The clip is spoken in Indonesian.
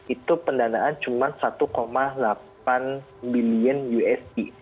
itu pendanaan cuma satu delapan bilion usd